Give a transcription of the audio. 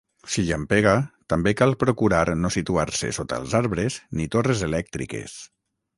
Si llampega, també cal procurar no situar-se sota els arbres ni torres elèctriques.